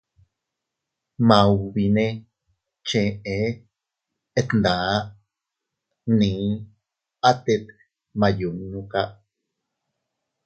Maubi nee cheʼe tndaa nni atte gmaayunnu kaa.